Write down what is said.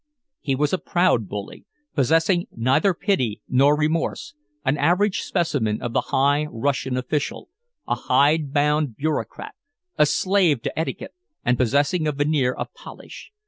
He was a proud bully, possessing neither pity nor remorse, an average specimen of the high Russian official, a hide bound bureaucrat, a slave to etiquette and possessing a veneer of polish.